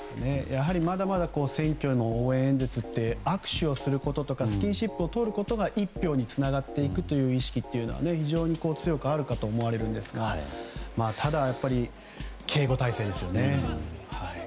まだまだ選挙の応援演説って握手をすることとかスキンシップをとることが１票につながっていく意識が非常に強くあるかと思われるんですがただ、やっぱり警護態勢ですよね。